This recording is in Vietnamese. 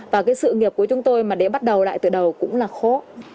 và cái sự nghiệp của chúng tôi mà để bắt đầu lại từ đầu cũng là khó